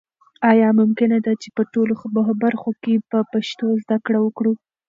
آیا ممکنه ده چې په ټولو برخو کې په پښتو زده کړه وکړو؟